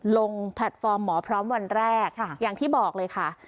แพลตฟอร์มหมอพร้อมวันแรกอย่างที่บอกเลยค่ะ